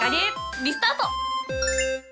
リスタート！